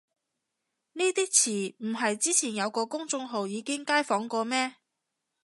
呢啲詞唔係之前有個公眾號已經街訪過咩